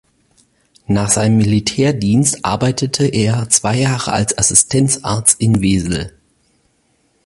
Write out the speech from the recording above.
Nach seinem Militärdienst arbeitete er zwei Jahre als Assistenzarzt in Wesel.